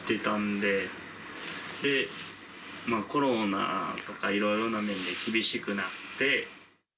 で、コロナとかいろいろな面で厳しくなって。